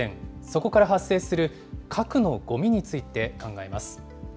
そこから発生する核のごみについて考えます。